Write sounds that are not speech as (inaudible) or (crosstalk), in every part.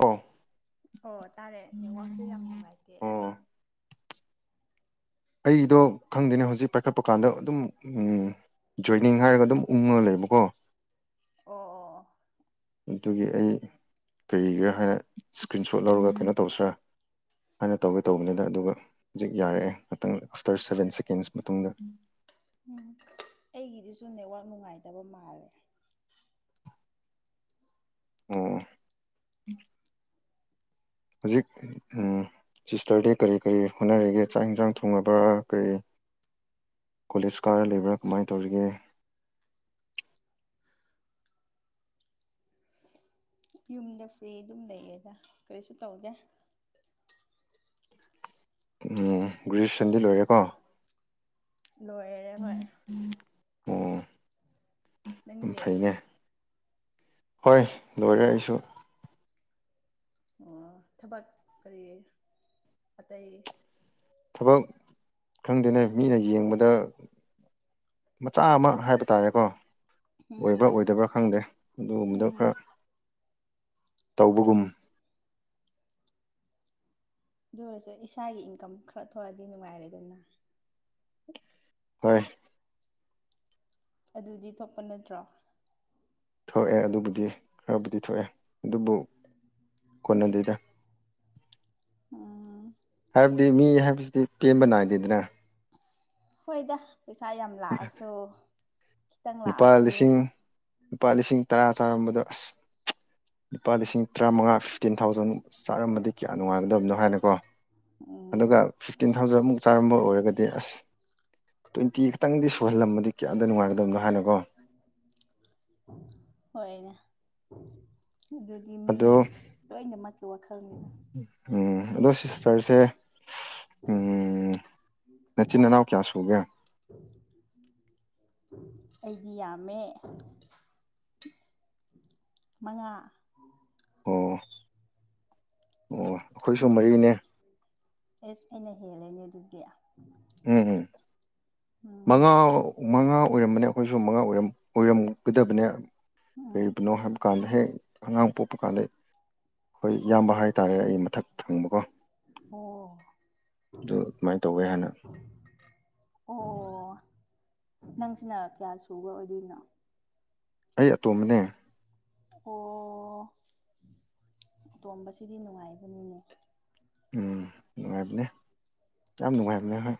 ꯑꯣ ꯑꯣ ꯇꯥꯔꯦ ꯅꯦꯠꯋꯥꯛꯁꯦ ꯌꯥꯝ ꯅꯨꯡꯉꯥꯏꯇꯦ ꯑꯩꯗꯣ ꯈꯪꯗꯦꯅꯦ ꯍꯧꯖꯤꯛ ꯄꯥꯏꯈꯠꯄ ꯀꯥꯟꯗ ꯑꯗꯨꯝ ꯎꯝ ꯖꯣꯏꯅꯤꯡ ꯍꯥꯏꯔꯒ ꯑꯗꯨꯝ ꯎꯪꯉꯒ ꯂꯩꯕꯀꯣ ꯑꯣ ꯑꯣ ꯑꯣ ꯑꯗꯨꯒꯤ ꯑꯩ ꯀ꯭ꯔꯤꯒꯤꯔꯥ ꯍꯥꯏꯔ ꯏꯁꯀ꯭ꯔꯤꯟ ꯁꯣꯠ ꯂꯧꯔꯒ ꯀꯩꯅꯣ ꯇꯧꯁꯤꯔꯥ ꯍꯥꯏꯅ ꯇꯧꯒꯦ ꯇꯧꯕꯅꯦꯗꯥ ꯑꯗꯨꯒ ꯍꯧꯖꯤꯛ ꯌꯥꯔꯛꯑꯦ ꯉꯥꯇꯪ ꯑꯥꯐꯇꯔ ꯁꯚꯦꯟ ꯁꯦꯀꯦꯟꯁ ꯃꯇꯨꯡꯗ ꯎꯝ ꯑꯩꯒꯤꯗꯨꯖꯨ ꯅꯦꯠꯋꯥꯛ ꯅꯨꯡꯉꯥꯏꯇꯕ ꯃꯥꯜꯂꯦ ꯑꯝ ꯍꯧꯖꯤꯛ ꯎꯝ ꯁꯤꯁꯇꯔꯗꯤ ꯀꯔꯤ ꯀꯔꯤ ꯍꯣꯠꯅꯔꯤꯒꯦ ꯆꯥꯛ ꯍꯦꯟꯖꯥꯡ ꯊꯣꯡꯉꯕ꯭ꯔꯥ ꯀꯔꯤ ꯀꯣꯂꯦꯖ ꯀꯥꯔ ꯂꯩꯕ꯭ꯔꯥ ꯀꯃꯥꯏ ꯇꯧꯔꯤꯒꯦ ꯌꯨꯝꯗ ꯐ꯭ꯔꯤ ꯑꯗꯨꯝ ꯂꯩꯌꯦꯗꯥ ꯀꯔꯤꯁꯨ ꯇꯧꯗꯦ ꯎꯝ ꯒ꯭ꯔꯦꯖꯨꯋꯦꯁꯟꯗꯤ ꯂꯣꯏꯔꯦꯀꯣ ꯂꯣꯏꯔꯦ ꯍꯣꯏ ꯑꯣ ꯎꯝ ꯅꯪꯗꯤ ꯐꯩꯅꯦ ꯍꯣꯏ ꯂꯣꯏꯔꯦ ꯑꯩꯁꯨ ꯑꯣ ꯊꯕꯛ ꯀꯔꯤ ꯑꯇꯩ ꯊꯕꯛ ꯈꯪꯗꯦꯅꯦ ꯃꯤꯅ ꯌꯦꯡꯕꯗ ꯃꯆꯥ ꯑꯃ ꯍꯥꯏꯕ ꯇꯥꯔꯦꯀꯣ ꯑꯣꯏꯕ꯭ꯔꯥ ꯎꯝ ꯑꯣꯏꯗꯕ꯭ꯔꯥ ꯈꯪꯗꯦ ꯑꯗꯨꯒꯨꯝꯕꯗꯣ ꯎꯝ ꯈꯔ ꯇꯧꯕꯒꯨꯝ ꯑꯗꯨ ꯑꯣꯏꯔꯁꯨ ꯏꯁꯥꯒꯤ ꯏꯪꯀꯝ ꯈ꯭ꯔ ꯊꯣꯛꯑꯗꯤ ꯅꯨꯡꯉꯥꯏꯔꯦꯗꯅ ꯍꯣꯏ ꯑꯗꯨꯗꯤ ꯊꯣꯛꯄ ꯅꯠꯇ꯭ꯔꯣ ꯊꯣꯛꯑꯦ ꯑꯗꯨꯕꯨꯗꯤ ꯈꯔꯕꯨꯗꯤ ꯊꯣꯛꯑꯦ ꯑꯗꯨꯕꯨ ꯀꯣꯟꯅꯗꯦꯗ ꯎꯝ ꯍꯥꯏꯕꯗꯤ ꯃꯤ ꯍꯥꯏꯕꯖꯤꯗꯤ ꯄꯦꯟꯕ ꯅꯥꯏꯗꯦꯗꯅ ꯍꯣꯏꯗ ꯄꯩꯁꯥ ꯌꯥꯝ ꯂꯥꯛꯑꯁꯨ ꯈꯤꯇꯪ ꯂꯨꯄꯥ ꯂꯥꯛꯑꯁꯨ ꯂꯤꯁꯤꯡ ꯂꯨꯄꯥ ꯂꯤꯁꯤꯡ ꯇꯔꯥ ꯆꯥꯔꯝꯕꯗꯣ ꯑꯁ (unintelligible) ꯂꯨꯄꯥ ꯂꯤꯁꯤꯡ ꯇ꯭ꯔꯥꯃꯉꯥ ꯐꯤꯐꯇꯤꯟ ꯊꯥꯎꯖꯟ ꯆꯥꯔꯝꯃꯗꯤ ꯀꯌꯥ ꯅꯨꯡꯉꯥꯏꯒꯗꯕꯅꯣ ꯍꯥꯏꯅꯀꯣ ꯎꯝ ꯑꯗꯨꯒ ꯐꯤꯐꯇꯤꯟ ꯊꯥꯎꯖꯟꯃꯨꯛ ꯆꯥꯔꯝꯕ ꯑꯣꯏꯔꯒꯗꯤ ꯑꯁ ꯇ꯭ꯋꯦꯟꯇꯤ ꯈꯇꯪꯗꯤ ꯁꯨꯍꯜꯂꯝꯃꯗꯤ ꯀꯌꯥꯗꯤ ꯅꯨꯡꯉꯥꯏ ꯗꯪꯒ ꯍꯥꯏꯅꯀꯣ ꯍꯣꯏꯅꯦ ꯑꯗꯨꯗꯤ ꯃꯤ ꯑꯗꯣ ꯂꯣꯏꯅꯃꯛꯀꯤ ꯋꯥꯈꯜ ꯎꯝ ꯑꯗꯣ ꯁꯤꯁꯇꯔꯁꯦ ꯎꯝ ꯅꯆꯤꯟ ꯅꯅꯥꯎ ꯀꯌꯥ ꯁꯨꯒꯦ ꯑꯩꯗꯤ ꯌꯥꯝꯃꯦ ꯃꯉꯥ ꯑꯣ ꯑꯣ ꯑꯩꯈꯣꯏꯁꯨ ꯎꯝ ꯃꯔꯤꯅꯦ ꯑꯦꯁ ꯑꯩꯅ ꯍꯦꯜꯂꯦꯅꯦ ꯑꯗꯨꯗꯤ ꯎꯝ ꯎꯝ ꯃꯉꯥꯎ ꯃꯉꯥ ꯑꯣꯏꯔꯝꯕꯅꯦ ꯑꯈꯣꯏꯁꯨ ꯃꯉꯥ ꯑꯣꯏꯔꯝ ꯑꯣꯏꯔꯝꯒꯗꯕꯅꯦ ꯎꯝ ꯀꯔꯤꯒꯤꯅꯣ ꯍꯥꯏꯕꯀꯥꯟꯗ ꯍꯦꯛ ꯑꯉꯥꯡ ꯄꯣꯛꯄ ꯀꯥꯟꯗ ꯈꯣꯏ ꯏꯌꯥꯝꯕ ꯍꯥꯏꯇꯥꯔꯦ ꯑꯩ ꯃꯊꯛ ꯊꯪꯕꯀꯣ ꯑꯣ ꯑꯗꯨ ꯑꯗꯨꯃꯥꯏ ꯇꯧꯋꯦ ꯍꯥꯟꯅ (unintelligible) ꯅꯪꯁꯤꯅ ꯀꯌꯥ ꯁꯨꯕ ꯑꯣꯏꯗꯣꯏꯅꯣ ꯑꯩ ꯑꯇꯣꯝꯕꯅꯦ ꯑꯣ ꯑꯇꯣꯝꯕꯁꯤꯗꯤ ꯅꯨꯡꯉꯥꯏꯕꯅꯤꯅꯦ ꯎꯝ ꯅꯨꯡꯉꯥꯏꯕꯅꯦ ꯌꯥꯝ ꯅꯨꯡꯉꯥꯏꯕꯅꯦ ꯍꯣꯏ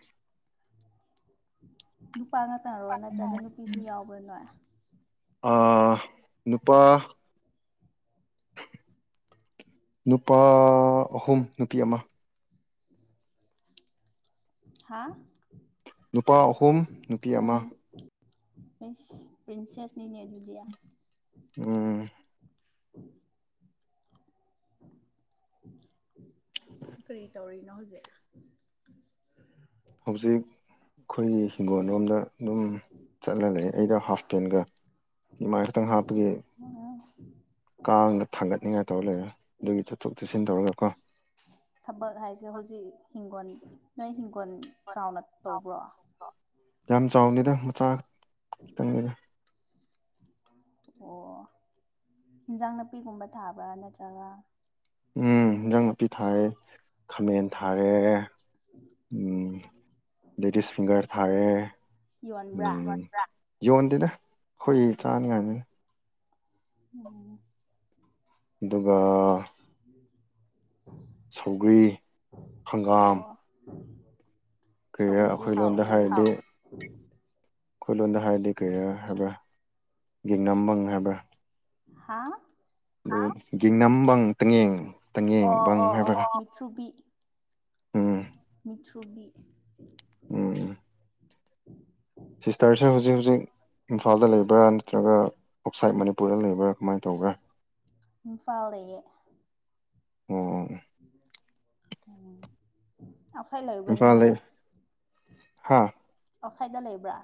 ꯅꯨꯄꯥ ꯉꯥꯛꯇꯔꯣ ꯅꯠꯇ꯭ꯔꯒ ꯅꯨꯄꯤꯁꯨ ꯌꯥꯎꯕ꯭ꯔꯥ ꯅꯣꯏ ꯑꯥ ꯅꯨꯄꯥ ꯅꯨꯄꯥ ꯑꯍꯨꯝ ꯅꯨꯄꯤ ꯑꯃ ꯍꯥ ꯅꯨꯄꯥ ꯑꯍꯨꯝ ꯅꯨꯄꯤ ꯑꯃ ꯑꯩꯁ ꯄ꯭ꯔꯤꯟꯁꯦꯁꯅꯤꯅꯦ ꯑꯗꯨꯗꯤ ꯎꯝ (inaudible) ꯀꯔꯤ ꯇꯧꯔꯤꯅꯣ ꯍꯧꯖꯤꯛ ꯍꯧꯖꯤꯛ ꯑꯩꯈꯣꯏꯒꯤ ꯍꯤꯡꯒꯣꯜ ꯂꯣꯝꯗ ꯑꯗꯨꯝ ꯆꯠꯂꯒ ꯂꯩꯑ ꯑꯩꯗ ꯍꯥꯐ ꯄꯦꯟꯒ ꯏꯃꯥꯏ ꯈꯛꯇꯪ ꯍꯥꯞꯄꯒꯤ ꯎꯝ ꯀꯥꯡꯗ ꯊꯥꯡꯒꯠꯅꯤꯡꯉꯥꯏ ꯇꯧꯔ ꯂꯩꯔꯦ ꯑꯗꯨꯒꯤ ꯆꯠꯊꯣꯛ ꯆꯠꯁꯤꯟ ꯇꯧꯔꯒꯀꯣ ꯊꯕꯛ ꯍꯥꯏꯁꯦ ꯍꯧꯖꯤꯛ ꯍꯤꯡꯈꯣꯜ ꯅꯣꯏ ꯍꯤꯡꯈꯣꯜ ꯆꯥꯎꯅ ꯇꯧꯕ꯭ꯔꯣ ꯌꯥꯝ ꯆꯥꯎꯗꯦꯗ ꯃꯆꯥ ꯈꯤꯇꯪꯅꯤꯗ ꯑꯣ ꯏꯟꯖꯥꯡ ꯅꯥꯄꯤꯒꯨꯝꯕ ꯊꯥꯕ꯭ꯔꯥ ꯅꯠꯇ꯭ꯔꯒ ꯎꯝ ꯏꯟꯖꯥꯡ ꯅꯥꯄꯤ ꯊꯥꯔꯦ ꯈꯥꯃꯦꯟ ꯊꯥꯔꯦ ꯎꯝ ꯂꯦꯗꯤꯁ ꯐꯤꯡꯒꯔ ꯊꯥꯔꯦ ꯌꯣꯟꯕ꯭ꯔꯥ ꯎꯝ ꯌꯣꯟꯗꯦꯗ ꯑꯩꯈꯣꯏ ꯆꯥꯅꯤꯉꯥꯏꯅꯤ ꯑꯣ ꯑꯗꯨꯒ ꯁꯧꯒ꯭ꯔꯤ ꯍꯪꯒꯥꯝ ꯑꯣ ꯀꯔꯤꯔꯥ ꯁꯧꯒ꯭ꯔꯤꯗꯤ ꯍꯥꯎꯕꯅꯤꯅꯦ ꯑꯩꯈꯣꯏꯂꯣꯟꯗ ꯍꯥꯏꯗꯤ ꯀꯩ ꯍꯥꯏꯕ꯭ꯔꯥ ꯌꯦꯅꯝꯕꯪ ꯍꯥꯏꯕ꯭ꯔ ꯍꯥꯥ (unintelligible) ꯑꯣ ꯕꯪ ꯑꯣ ꯍꯥꯏꯕ꯭ꯔꯥ ꯑꯣ ꯃꯤꯇ꯭ꯔꯨꯕꯤ ꯎꯝ ꯃꯤ꯭ꯇꯔꯨ (inaudible) ꯎꯝ ꯎꯝ ꯁꯤꯁꯇꯔꯁꯦ ꯍꯧꯖꯤꯛ ꯍꯧꯖꯤꯛ ꯏꯝꯐꯥꯜꯗ ꯂꯩꯕ꯭ꯔꯥ ꯅꯠꯇ꯭ꯔꯒ ꯑꯥꯎꯠꯁꯥꯏꯠ ꯃꯅꯤꯄꯨꯔꯗ ꯂꯩꯕ꯭ꯔꯥ ꯀꯃꯥꯏꯅ ꯇꯧꯒꯦ ꯏꯝꯐꯥꯜ ꯂꯩꯌꯦ ꯑꯣ (inaudible) ꯑꯥꯎꯠꯁꯥꯏꯠ ꯂꯩꯕ꯭ꯔꯥ ꯏꯝꯐꯥꯜ ꯅꯪꯗꯤ ꯂꯩ ꯍꯥ ꯑꯥꯎꯠꯁꯥꯏꯗꯠꯇ ꯂꯩꯕ꯭ꯔꯥ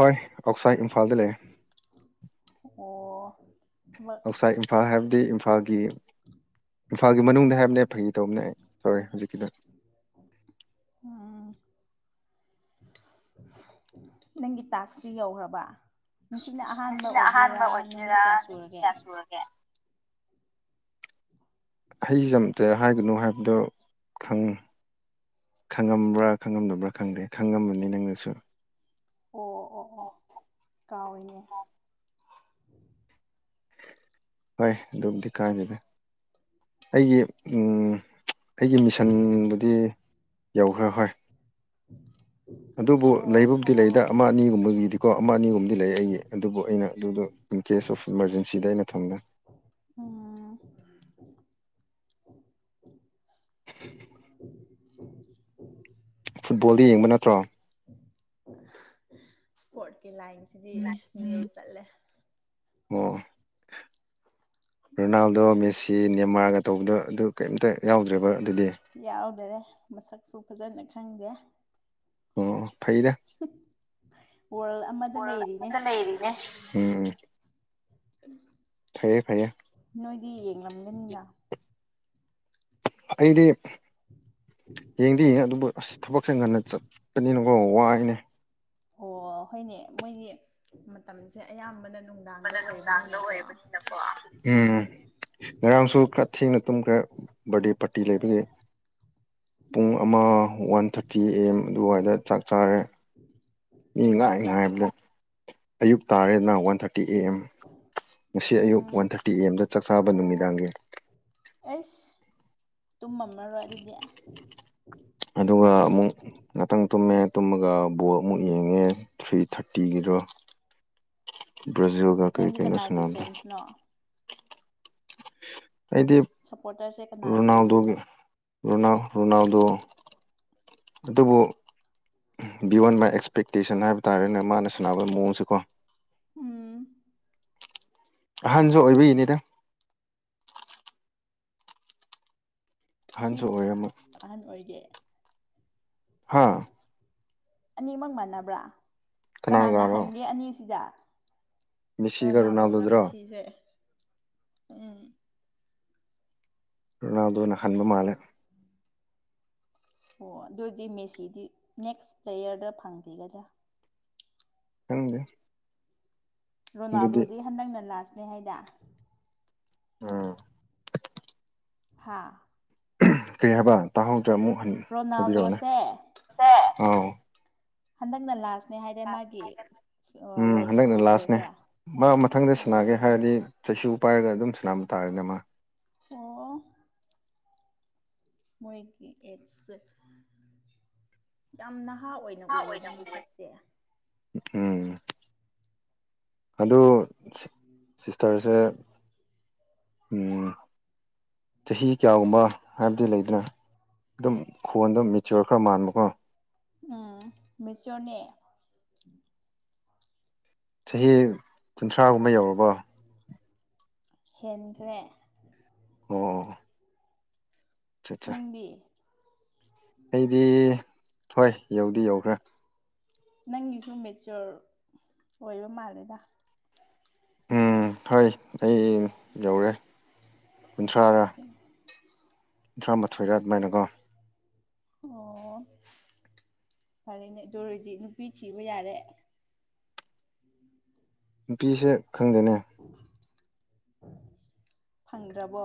ꯍꯣꯏ ꯑꯣꯛꯁꯥꯏ ꯏꯝꯐꯥꯜꯗ ꯂꯩꯌꯦ ꯑꯣ ꯊꯕꯛ ꯑꯥꯎꯠꯁꯥꯏꯠ ꯏꯝꯐꯥꯜ ꯍꯥꯏꯕꯗꯤ ꯏꯝꯐꯥꯜꯒꯤ ꯏꯝꯐꯥꯜꯒꯤ ꯃꯅꯨꯡꯗ ꯍꯥꯏꯕꯅꯦ ꯐꯥꯒꯤ ꯇꯧꯕꯅꯦ ꯑꯩ ꯇꯧꯔꯦ ꯍꯧꯖꯤꯛꯀꯤꯗ ꯑꯥ ꯅꯪꯒꯤ ꯇꯥꯛꯁꯇꯤ ꯌꯧꯈ꯭ꯔꯕ ꯉꯁꯤꯅ ꯑꯍꯥꯟꯕ ꯉꯁꯤꯅ ꯑꯍꯥꯟꯕ ꯑꯣꯏꯗꯣꯏꯔꯥ ꯅꯨꯃꯤꯠ ꯑꯣꯏꯗꯣꯏꯔꯥ ꯀꯌꯥ ꯅꯨꯃꯤꯠ ꯁꯨꯔꯒꯦ ꯀꯌꯥ ꯁꯨꯔꯒꯦ ꯍꯩꯖꯝꯇ ꯍꯥꯏꯒꯅꯨ ꯍꯥꯏꯕꯗꯨ ꯈꯪꯉꯤ ꯈꯪꯉꯝꯕ꯭ꯔꯥ ꯈꯪꯉꯝꯗꯕ꯭ꯔꯥ ꯈꯪꯗꯦ ꯈꯪꯉꯝꯃꯅꯤ ꯅꯪꯅꯁꯨ ꯑꯣ ꯑꯣ ꯑꯣ ꯑꯣ ꯀꯥꯎꯏꯅꯦ (inaudible) ꯍꯣꯏ ꯑꯗꯨꯕꯨꯗꯤ ꯀꯥꯗꯗ ꯑꯩꯒꯤ ꯎꯝ ꯑꯩꯒꯤ ꯃꯤꯁꯟꯗꯨꯗꯤ ꯌꯧꯈ꯭ꯔꯦ ꯍꯣꯏ (inaudible) ꯑꯗꯨꯕꯨ ꯑꯣ ꯂꯩꯕꯕꯨꯗꯤ ꯂꯩꯗꯥ ꯑꯃꯥ ꯑꯅꯤꯒꯨꯝꯕꯒꯤꯗꯤꯀꯣ ꯑꯃꯥ ꯑꯅꯤꯒꯨꯝꯕꯗꯤ ꯂꯩꯌꯦ ꯑꯩꯒꯤ ꯑꯗꯨꯕꯨ ꯑꯩꯅ ꯑꯗꯨꯗꯣ ꯏꯟ ꯀꯦꯁ ꯑꯣꯐ ꯏꯃꯥꯔꯖꯦꯟꯁꯤꯗ ꯑꯩꯅ ꯊꯝꯒ꯭ꯔꯦ ꯎꯝ (inaudible) (inaudible) ꯐꯨꯠꯕꯣꯜꯗꯤ ꯌꯦꯡꯕ ꯅꯠꯇ꯭ꯔꯣ ꯏꯁꯄꯣꯔꯠꯀꯤ ꯂꯥꯏꯟꯁꯤꯗꯤ ꯅꯤꯜ ꯆꯠꯂꯦ ꯑꯣ ꯔꯣꯅꯥꯜꯗꯣ ꯃꯦꯁꯤ ꯗꯤ ꯅꯦꯃꯥꯔꯒ ꯇꯧꯕꯗꯣ ꯑꯗꯨ ꯀꯩꯝꯇ ꯌꯥꯎꯗ꯭ꯔꯤꯕꯔ ꯌꯥꯎꯗꯔꯦ ꯃꯁꯛꯁꯨ ꯐꯖꯅ ꯈꯪꯗꯦ ꯑꯣ ꯑꯣ ꯐꯩꯗꯥ ꯋꯥꯔꯜ ꯑꯃꯗ ꯂꯩꯔꯤꯅꯦ ꯗ ꯂꯩꯔꯤꯅꯦ ꯎꯝ (inaudible) ꯐꯩꯌꯦ ꯐꯩꯌꯦ ꯅꯣꯏꯗꯤ ꯌꯦꯡꯂꯝꯒꯅꯤꯅꯥ ꯑꯩꯗꯤ ꯌꯦꯡꯗꯤ ꯌꯦꯡꯉꯦ ꯑꯗꯨꯕꯨ ꯑꯁ ꯊꯕꯛꯁꯦ ꯉꯟꯅ ꯆꯠꯄꯅꯤꯅꯀꯣ ꯋꯥꯏꯅꯦ ꯑꯣ ꯍꯣꯏꯅꯦ ꯃꯣꯏꯗꯤ ꯃꯇꯝꯁꯦ ꯑꯌꯥꯝꯕꯅ ꯅꯨꯡꯗꯥꯡꯗ ꯕꯅ ꯅꯨꯡꯗꯥꯡꯗ ꯑꯣꯏꯕꯅꯤꯅꯀꯣ ꯑꯣꯏꯕꯅꯤꯅꯀꯣ ꯎꯝ ꯉꯔꯥꯡꯁꯨ ꯈ꯭ꯔ ꯊꯦꯡꯅ ꯇꯨꯝꯈ꯭ꯔꯦ ꯕꯔꯗꯦ ꯄꯥꯔꯇꯤ ꯂꯩꯕꯒꯤ ꯄꯨꯡ ꯑꯃ ꯑꯦꯁ ꯋꯥꯟ ꯊꯥꯔꯇꯤ ꯑꯦ ꯑꯦꯝ ꯑꯗꯨꯋꯥꯏꯗ ꯆꯥꯛ ꯆꯥꯔꯦ ꯃꯤ ꯉꯥꯏ ꯅꯨꯡꯗꯥꯡꯗ ꯉꯥꯏꯕꯗ ꯑꯌꯨꯛ ꯇꯥꯔꯦꯗꯅ ꯋꯥꯟ ꯊꯥꯔ ꯇꯤ ꯑꯦ ꯑꯦꯝ ꯉꯁꯤ ꯑꯌꯨꯛ ꯎꯝ ꯋꯥꯟ ꯊꯥꯔꯇꯤ ꯑꯦ ꯑꯦꯝꯗ ꯆꯥꯛ ꯆꯥꯕ ꯅꯨꯃꯤꯗꯥꯡꯒꯤ ꯇꯨꯝꯃꯝꯂꯔꯣꯏ ꯑꯗꯨꯗꯤ ꯑꯗꯨꯒ ꯑꯃꯨꯛ ꯃꯨꯛ ꯌꯦꯡꯉꯦ ꯊ꯭ꯔꯤ ꯊꯥꯔꯇꯤꯒꯤꯗꯣ ꯕ꯭ꯔꯥꯖꯤꯜ ꯒ ꯀꯩ ꯅꯪꯗꯤ ꯀꯩꯅꯣ ꯀꯅꯥꯒꯤ ꯁꯥꯅꯕꯗꯣ ꯐꯦꯟꯁꯅꯣ ꯁꯞꯄꯣꯔꯇꯔꯁꯦ ꯀꯅꯥꯒꯤ ꯑꯣꯏꯗꯣꯏꯅꯣ ꯔꯣꯅꯥꯜꯗꯣꯒꯤ ꯔꯣꯅꯥꯜ ꯔꯣꯅꯥꯜꯗꯣ ꯑꯗꯨꯕꯨ ꯕꯤꯌꯣꯟ ꯃꯥꯏ ꯑꯦꯛꯁꯄꯦꯛꯇꯦꯁꯟ ꯍꯥꯏꯕ ꯇꯥꯔꯦꯅꯦ ꯃꯥꯅ ꯁꯥꯟꯅꯕ ꯃꯑꯣꯡꯁꯦꯀꯣ ꯎꯝ ꯑꯍꯟꯁꯨ ꯑꯣꯏꯕꯩꯅꯤꯗ ꯑꯍꯟꯁꯨ ꯁꯤ ꯑꯣꯏꯔꯝꯃꯤ ꯑꯍꯟ ꯑꯣꯏꯒꯦ ꯍꯥꯥ ꯑꯅꯤꯃꯛ ꯃꯥꯟꯅꯕ꯭ꯔꯥ ꯀꯅꯥꯅ ꯀꯅꯥꯒꯔꯣ ꯍꯟꯒꯦ ꯑꯅꯤꯁꯤꯗꯥ ꯃꯦꯁꯤꯒ ꯔꯣꯅꯥꯜꯗꯣꯒ ꯔꯣꯅꯥꯜꯗꯣꯗꯨꯔꯣ ꯃꯦꯁꯤꯁꯦ ꯎꯝ ꯔꯣꯅꯥꯜꯗꯣꯅ ꯍꯟꯕ ꯃꯥꯜꯂꯦ ꯑꯣ ꯑꯗꯨ ꯑꯣꯏꯗꯤ ꯃꯦꯁꯤꯗꯤ ꯅꯦꯛꯁ ꯇꯌꯥꯔꯗ ꯐꯪꯈꯤꯒꯗ꯭ꯔꯥ ꯈꯪꯗꯦ ꯑꯗꯨꯗꯤ ꯔꯣꯅꯥꯜꯗꯣꯗꯤ ꯍꯟꯗꯛꯅ ꯂꯥꯁꯅꯦ ꯍꯥꯏꯗ ꯑꯝ ꯍꯥꯥ ꯀꯔꯤ ꯍꯥꯏꯕ ꯇꯥꯍꯧꯗ꯭ꯔꯦ ꯑꯃꯨꯛ ꯍꯟ ꯍꯥꯏꯕꯤꯔꯛꯑꯣꯅꯦ ꯔꯣꯅꯥꯜꯗꯣꯁꯦ ꯁꯦ ꯍꯟꯗꯛꯅ ꯂꯥꯁꯅꯦ ꯍꯥꯏꯗꯥꯏ ꯃꯥꯒꯤ ꯎꯝ ꯋꯥꯔꯜ ꯍꯟꯗꯛꯅ ꯀꯞꯀꯤ ꯂꯥꯁꯅꯦ ꯄ꯭ꯂꯦꯁꯦ ꯃꯥ ꯃꯊꯪꯗ ꯁꯥꯅꯒꯦ ꯑꯣ ꯍꯥꯏꯔꯗꯤ ꯆꯩꯁꯨ ꯄꯥꯏꯔꯒ ꯑꯗꯨꯝ ꯁꯅꯥꯕ ꯇꯥꯔꯦꯅꯦ ꯃꯥ ꯑꯣ ꯃꯣꯏꯒꯤ ꯑꯦꯛꯁꯦ ꯌꯥꯝꯅ ꯅꯍꯥ ꯑꯣꯏꯅ ꯎꯋꯦꯗ ꯃꯁꯛꯇꯤ ꯎꯝ ꯑꯗꯨ ꯁꯤꯁꯇ꯭ꯔꯁꯦ ꯎꯝ ꯆꯍꯤ ꯀꯌꯥꯒꯨꯝꯕ ꯍꯥꯏꯕꯗꯤ ꯂꯩꯗꯅ ꯑꯗꯨꯝ ꯈꯣꯟ ꯑꯗꯨꯝ ꯃꯦꯆ꯭ꯨꯌꯣꯔ ꯈ꯭ꯔ ꯃꯥꯟꯕꯀꯣ ꯎꯝ ꯃꯦꯆ꯭ꯨꯌꯣꯔꯅꯦ ꯆꯍꯤ ꯀꯨꯟꯊ꯭ꯔꯥꯒꯨꯝꯕ ꯌꯧꯔꯕꯣ ꯍꯦꯟꯈ꯭ꯔꯦ ꯑꯣ ꯑꯠꯆꯥ ꯑꯠꯆꯥ ꯅꯪꯗꯤ ꯑꯩꯗꯤ ꯍꯣꯏ ꯌꯧꯗꯤ ꯌꯧꯈ꯭ꯔꯦ ꯅꯪꯒꯤꯁꯨ ꯃꯦꯆꯨꯌꯣꯔ ꯑꯣꯏꯕ ꯃꯥꯜꯂꯦꯗ ꯎꯝ ꯍꯣꯏ ꯑꯩ ꯌꯧꯔꯦ ꯀꯨꯟꯊ꯭ꯔꯥꯔ ꯇꯥꯔꯥ ꯃꯥꯊꯣꯏꯔꯥ ꯑꯗꯨꯃꯥꯏꯅꯀꯣ ꯑꯣ ꯐꯔꯦꯅꯦ ꯑꯗꯨꯑꯣꯏꯔꯗꯤ ꯅꯨꯄꯤ ꯊꯤꯕ ꯌꯥꯔꯦ ꯅꯨꯄꯤꯁꯦ ꯈꯪꯗꯦꯅꯦ ꯐꯪꯒ꯭ꯔꯕꯣ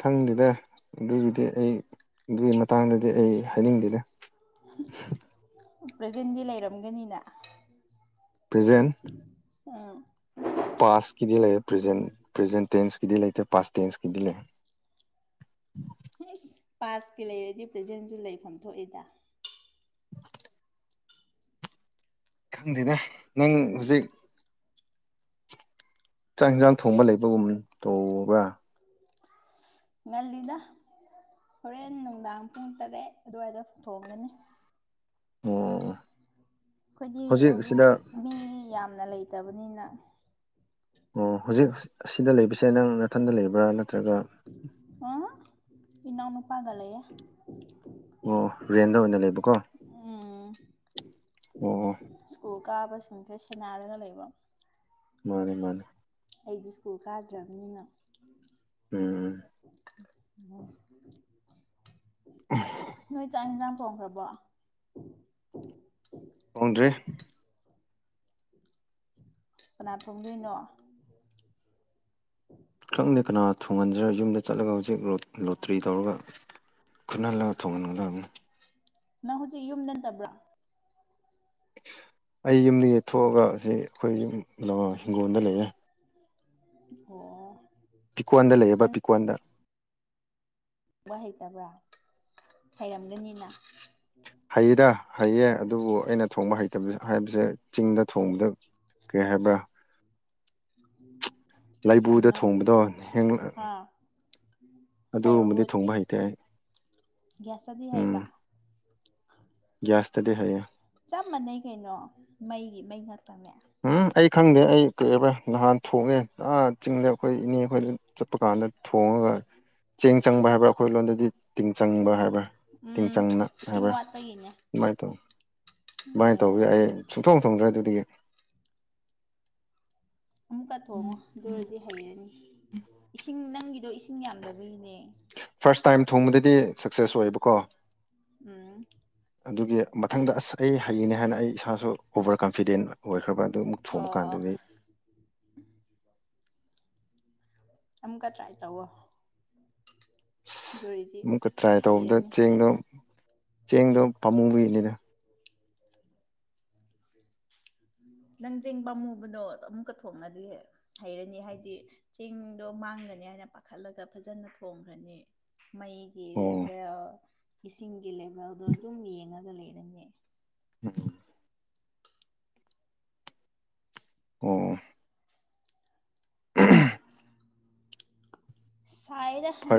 ꯈꯪꯗꯦꯗ ꯑꯗꯨꯒꯤꯗꯤ ꯑꯩ ꯑꯗꯨꯒꯤ ꯃꯇꯥꯡꯗꯗꯤ ꯑꯩ ꯍꯥꯏꯅꯤꯡꯗꯦꯗ ꯄ꯭ꯔꯖꯦꯟꯗꯤ ꯂꯩꯔꯝꯒꯅꯤꯅ ꯄ꯭ꯔꯖꯦꯟ ꯑꯥ ꯄꯥꯁꯀꯤꯗꯤ ꯂꯩꯔꯦ ꯄ꯭ꯔꯖꯦꯟ ꯄ꯭ꯔꯖꯦꯟ ꯇꯦꯟꯁꯀꯤꯗꯤ ꯂꯩꯇꯦ ꯄꯥꯁ ꯇꯦꯟꯁꯀꯤꯗꯤ ꯂꯩ (inaudible) ꯏꯁꯁ ꯄꯥꯁꯀꯤ ꯂꯩꯔꯗꯤ ꯄ꯭ꯔꯖꯦꯟꯁꯨ ꯂꯩꯐꯝ ꯊꯣꯛꯏꯗ ꯈꯪꯗꯦꯅꯦ ꯅꯪ ꯍꯧꯖꯤꯛ ꯆꯥꯛ ꯍꯦꯟꯖꯥꯡ ꯊꯣꯡꯕ ꯂꯩꯕꯒꯨꯝ ꯇꯧꯕ꯭ꯔ ꯉꯜꯂꯤꯗ ꯍꯣꯔꯦꯟ ꯅꯨꯡꯗꯥꯡ ꯄꯨꯡ ꯇꯔꯦꯠ ꯑꯗꯨꯋꯥꯏꯗ ꯊꯣꯡꯒꯅꯤ ꯑꯣ ꯑꯩꯈꯣꯏꯗꯤ ꯍꯧꯖꯤꯛ ꯃꯤ ꯌꯥꯝꯅ ꯂꯩ ꯂꯩꯇꯕꯅꯤꯅ ꯑꯣ ꯍꯧꯖꯤꯛ ꯑꯁꯤꯗ ꯂꯩꯕꯁꯦ ꯅꯪ ꯅꯊꯟꯗ ꯂꯩꯕ꯭ꯔꯥ ꯅꯠꯇ꯭ꯔꯒ ꯏꯅꯥꯎ ꯅꯨꯨꯄꯥꯒ ꯂꯩꯌꯦ ꯑꯣ ꯔꯦꯟꯗ ꯑꯣꯏꯅ ꯂꯩꯕꯀꯣ ꯑꯣ ꯎꯝ ꯑꯣ ꯁ꯭ꯀꯨꯜ ꯀꯥꯕꯁꯤꯡꯁꯦ ꯁꯦꯟꯅꯔꯒ ꯂꯩꯕ ꯃꯥꯅꯦ ꯃꯥꯅꯦ ꯑꯩꯗꯤ ꯁ꯭ꯀꯨꯜ ꯀꯥꯗ꯭ꯔꯕꯅꯤꯅ ꯎꯝ ꯅꯣꯏ ꯆꯥꯛ ꯍꯦꯟꯖꯥꯡ ꯊꯣꯡꯈ꯭ꯔꯕ ꯊꯣꯡꯗ꯭ꯔꯤ ꯀꯅꯥ ꯊꯣꯡꯗꯨꯏꯅꯣ ꯈꯪꯗꯦ ꯀꯅꯥ ꯊꯣꯡꯍꯟꯖꯤꯔ ꯌꯨꯝꯗ ꯆꯠꯂꯒ ꯍꯧꯖꯤꯛ ꯂꯣꯠ ꯂꯣꯇ꯭ꯔꯤ ꯇꯧꯔꯒ ꯈꯠꯅꯍꯜꯂꯒ ꯊꯣꯡꯍꯟꯒꯗꯕꯅꯦ ꯅꯪ ꯍꯧꯖꯤꯛ ꯌꯨꯝꯗ ꯅꯠꯇꯕ꯭ꯔꯥ ꯑꯩ ꯌꯨꯝꯗꯒꯤꯗꯒꯤ ꯊꯣꯛꯑꯒ ꯑꯁꯤ ꯑꯩꯈꯣꯏ ꯌꯨꯝ ꯀꯩꯅꯣ ꯍꯤꯡꯒꯣꯜꯗ ꯂꯩꯔꯦ ꯑꯣ ꯄꯤꯛꯀꯣꯟꯗ ꯂꯩꯌꯦꯕ ꯄꯤꯛꯀꯣꯟꯗ ꯋꯥ ꯍꯩꯇꯕ꯭ꯔꯥ ꯍꯩꯔꯝꯒꯅꯤꯅ ꯍꯩꯌꯦꯗ ꯍꯩꯌꯦ ꯑꯗꯨꯕꯨ ꯑꯩꯅ ꯊꯣꯡꯕ ꯍꯩꯇꯕ ꯍꯥꯏꯕꯁꯦ ꯆꯤꯡꯗ ꯊꯣꯡꯕꯗ ꯀꯩꯍꯥꯏꯕꯔ (inaudible) ꯂꯥꯏꯕꯨꯗ ꯀꯔꯤꯅꯣ ꯊꯣꯡꯕꯗꯣ ꯍꯦꯛ ꯑꯥ ꯑꯗꯨꯒꯨꯝꯕꯗꯤ ꯐꯥꯏꯌꯔꯋꯨꯗ ꯊꯨꯡꯕ ꯍꯩꯇꯦ ꯑꯩ ꯒ꯭ꯌꯥꯁꯇꯗꯤ ꯎꯝ ꯍꯩꯕ ꯒ꯭ꯌꯥꯁꯇꯗꯤ ꯍꯩꯌꯦ ꯆꯞ ꯃꯥꯟꯅꯩ ꯀꯩꯅꯣ ꯃꯩꯒꯤ ꯃꯩ ꯉꯥꯛꯇꯅꯦ ꯎꯝ ꯑꯩ ꯈꯪꯗꯦ ꯑꯩ ꯀꯩꯕ꯭ꯔꯥ ꯅꯍꯥꯟ ꯊꯣꯡꯉꯦ ꯆꯤꯡꯗ ꯑꯩꯈꯣꯏ ꯏꯅꯦ ꯑꯩꯈꯣꯏꯗ ꯆꯠꯄ ꯀꯥꯟꯗ ꯊꯣꯡꯉꯒ ꯆꯦꯡ ꯆꯪꯕ ꯍꯥꯏꯕ꯭ꯔꯥ ꯑꯩꯈꯣꯏ ꯂꯣꯟꯗꯗꯤ ꯇꯤꯡ ꯆꯪꯕ ꯍꯥꯏꯕ ꯇꯤꯡ ꯎꯝ ꯆꯪꯅ ꯏꯁꯤꯡ ꯍꯥꯏꯕ ꯋꯥꯠꯄꯒꯤꯅꯦ ꯑꯗꯨꯃꯥꯏꯅ ꯇꯧꯋꯤ ꯑꯗꯨꯃꯥꯏꯅ ꯇꯧꯋ ꯎꯝ ꯑꯩ ꯁꯨꯡꯊꯣꯡ ꯊꯣꯡꯗ꯭ꯔꯦ ꯑꯗꯨꯗꯒꯤ ꯑꯃꯨꯛꯀ ꯊꯣꯡꯉꯣ ꯑꯗꯨꯑꯣꯏꯗꯤ ꯍꯩꯔꯅꯤ ꯏꯁꯤꯡ ꯅꯪꯒꯤꯗꯣ ꯏꯁꯤꯡ ꯌꯥꯝꯗꯕꯒꯤꯅꯦ ꯐꯥꯔꯁ ꯇꯥꯏꯝ ꯊꯣꯡꯕꯗꯗꯤ ꯁꯛꯁꯦꯁ ꯑꯣꯏꯌꯦꯕꯀꯣ ꯎꯝ ꯑꯗꯨꯒꯤ ꯃꯊꯪꯗ ꯑꯁ ꯑꯩ ꯍꯩꯅꯦ ꯍꯥꯏꯅ ꯑꯩ ꯏꯁꯥꯁꯨ ꯑꯣꯚꯔ ꯀꯟꯐꯤꯗꯦꯟ ꯑꯣꯏꯈ꯭ꯔꯕ ꯑꯗꯨ ꯑꯃꯨꯛ ꯊꯣꯡꯕ ꯑꯣ ꯑꯣ ꯀꯥꯟꯗꯗꯤ (inaudible) ꯑꯃꯨꯀ ꯇ꯭ꯔꯥꯏ ꯇꯧꯋꯣ ꯑꯗꯨ ꯑꯣꯏꯔꯗꯤ ꯑꯃꯨꯛꯀ ꯇ꯭ꯔꯥꯏ ꯇꯧꯕꯗ ꯍꯩꯔꯅꯤ ꯆꯦꯡꯗꯣ ꯆꯦꯡꯗꯣ ꯄꯥꯃꯨꯕꯩꯅꯤꯗ (inaudible) ꯅꯪ ꯆꯦꯡ ꯄꯥꯝꯃꯨꯕꯗꯣ ꯑꯃꯨꯛꯀ ꯊꯣꯡꯉꯗꯤ ꯍꯩꯔꯅꯤ ꯍꯥꯏꯗꯤ ꯆꯦꯡꯗꯣ ꯃꯥꯡꯒꯅꯤ ꯍꯥꯏꯅ ꯄꯥꯈꯠꯂꯒ ꯐꯖꯅ ꯊꯣꯡꯈ꯭ꯔꯅꯤ ꯃꯩꯒꯤ ꯑꯣ ꯂꯦꯚꯦꯜ ꯏꯁꯤꯡꯒꯤ ꯂꯦꯚꯦꯜꯗꯣ ꯑꯗꯨꯝ ꯌꯦꯡꯉꯒ ꯂꯩꯔꯅꯤ ꯎꯝ ꯑꯣ ꯁꯥꯏꯗ ꯐꯔꯦ ꯍꯟ